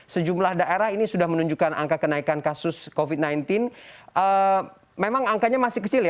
selamat sore pak emil